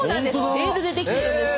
レールで出来てるんです。